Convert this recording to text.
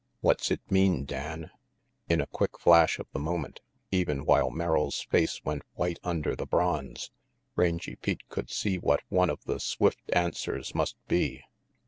What's it mean, Dan?" In a quick flash of the moment, even while Merrill's face went white under the bronze, Rangy Pete could see what one of the swift answers must be.